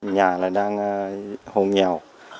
nhà là đang hôn nghèo